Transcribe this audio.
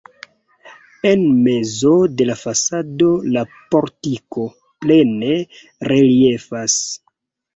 En mezo de la fasado la portiko plene reliefas.